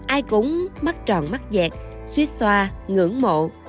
ai cũng mắt tròn mắt vẹt suýt xoa ngưỡng mộ